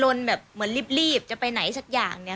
รนอยู่ค่ะรนเหมือนรีบจะไปไหนสักอย่าง